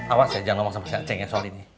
awas ya jangan ngomong sama si aceh soal ini